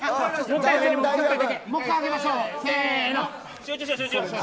もう１回、上げましょう。